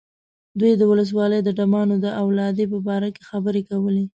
دوی د ولسوالۍ د ډمانو د اولادې په باره کې خبرې کولې.